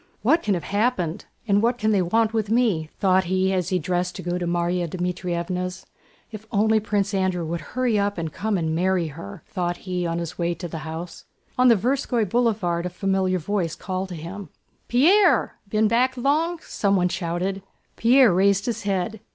"What can have happened? And what can they want with me?" thought he as he dressed to go to Márya Dmítrievna's. "If only Prince Andrew would hurry up and come and marry her!" thought he on his way to the house. On the Tverskóy Boulevard a familiar voice called to him. "Pierre! Been back long?" someone shouted. Pierre raised his head.